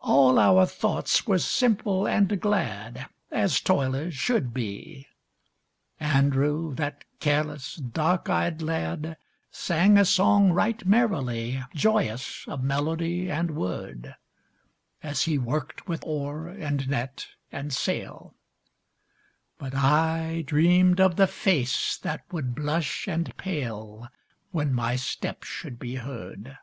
All our thoughts were simple and glad As toilers' should be; Andrew, that careless, dark eyed lad Sang a song right merrily, Joyous of melody and word, As he worked with oar and net and sail, 128 But I dreamed of the face that would bkish and pale When my step should be heard